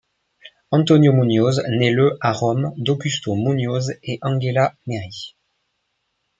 Antonio Muñoz naît le à Rome d'Augusto Muñoz et Angela Neri.